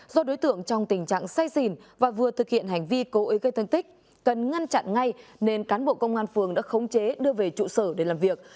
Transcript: do đối tượng trong tình trạng say xỉn và vừa thực hiện hành vi cố ý gây thân tích cần ngăn chặn ngay nên cán bộ công an phường đã khống chế đưa về trụ sở để làm việc